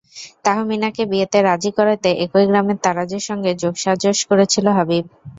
তাহমিনাকে বিয়েতে রাজি করাতে একই গ্রামের তারাজের সঙ্গে যোগসাজশ করেছিল হাবিব।